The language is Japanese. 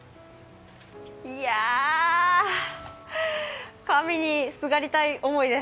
いや、神にすがりたい思いです。